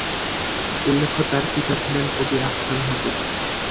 উল্লেখ্য, তাঁর পিতা ছিলেন কবি আহসান হাবীব।